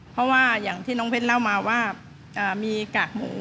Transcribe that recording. เพราะว่าอย่างที่น้องเพชรเล่ามาว่ามีกากหมู